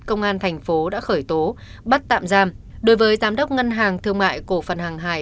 công an thành phố đã khởi tố bắt tạm giam đối với giám đốc ngân hàng thương mại cổ phần hàng hải